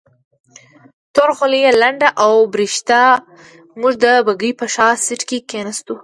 توره خولۍ یې لنده او برېښېده، موږ د بګۍ په شا سیټ کې کېناستو.